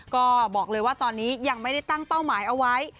ก็บอกเลยว่าตอนนี้ยังไม่ได้ตั้งเป้าหมายเอาไว้